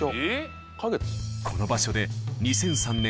この場所で２００３年